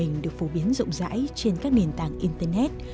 điều này được phổ biến rộng rãi trên các nền tảng internet